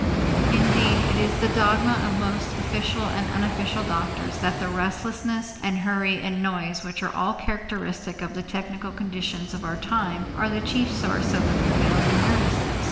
Indeed it is the dogma of most official and unofficial doctors that the restlessness and hurry and noise which all are characteristic of the technical conditions of our time are the chief sources of the prevailing nervousness.